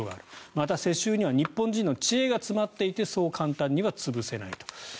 また世襲には日本人の知恵が詰まっていてそう簡単には潰せないと。